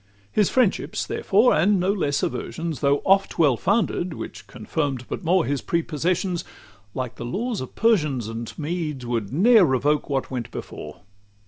XVII His friendships, therefore, and no less aversions, Though oft well founded, which confirm'd but more His prepossessions, like the laws of Persians And Medes, would ne'er revoke what went before.